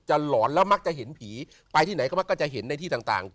หลอนแล้วมักจะเห็นผีไปที่ไหนก็มักจะเห็นในที่ต่าง